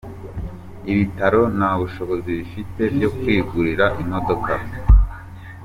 Ibitaro nta bushobozi bifite byo kwigurira Imodoka.